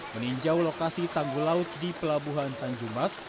meninjau lokasi tangguh laut di pelabuhan tanjumas